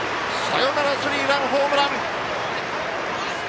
サヨナラスリーランホームラン！